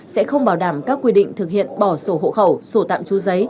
sẽ không bảo đảm các quy định thực hiện bỏ sổ hộ khẩu sổ tạm trú giấy